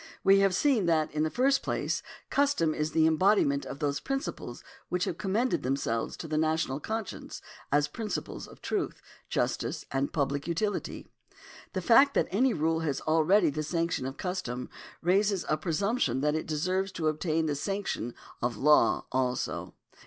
We have seen that, in the first place, custom is the embodiment of those principles which have commended them selves to the national conscience as principles of truth, justice and public utility. The fact that any rule has already the sanction of custom raises a presumption that it deserves to obtain the sanction of law also.